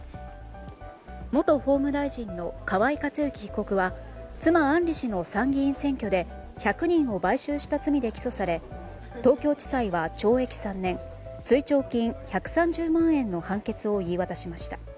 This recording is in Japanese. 元法務大臣の河井克行被告は妻・案里氏の参議院選挙で１００人を買収した罪で起訴され東京地裁は懲役３年追徴金１３０万円の判決を言い渡しました。